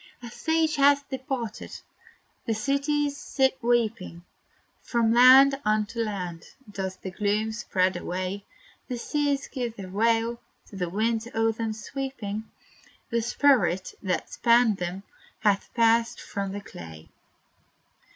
A sage hath departed! the cities sit weeping; From land unto land does the gloom spread away. The seas give their wail to the winds o'er them sweeping The spirit, that spanned them, hath passed from the clay!